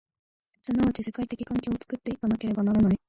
即ち世界的環境を作って行かなければならない。